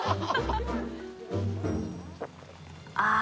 ああ。